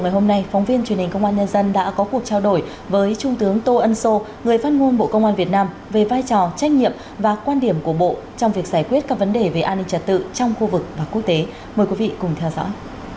hôm nay phóng viên truyền hình công an nhân dân đã có cuộc trao đổi với trung tướng tô ân sô người phát ngôn bộ công an việt nam về vai trò trách nhiệm và quan điểm của bộ trong việc giải quyết các vấn đề về an ninh trật tự trong khu vực và quốc tế mời quý vị cùng theo dõi